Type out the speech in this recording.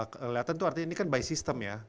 kelihatan itu artinya ini kan by system ya